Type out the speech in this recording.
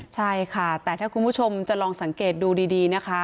ใช่ค่ะแต่ถ้าคุณผู้ชมจะลองสังเกตดูดีนะคะ